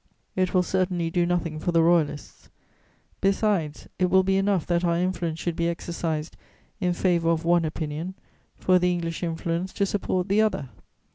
It will certainly do nothing for the Royalists. Besides, it will be enough that our influence should be exercised in favour of one opinion for the English influence to support the other.